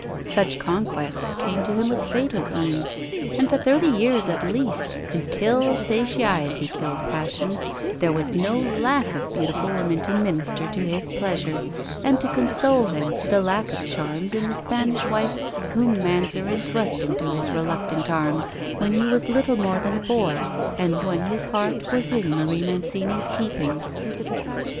Such conquests came to him with fatal ease, and for thirty years at least, until satiety killed passion, there was no lack of beautiful women to minister to his pleasure and to console him for the lack of charms in the Spanish wife whom Mazarin thrust into his reluctant arms when he was little more than a boy, and when his heart was in Marie Mancini's keeping.